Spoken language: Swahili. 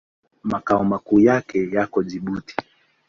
Makao makuu yake yako Jibuti.